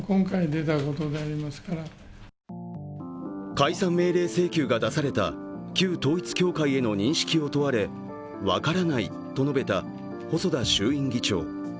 解散命令請求が出された旧統一教会への認識を問われ、「分からない」と述べた細田衆院議長。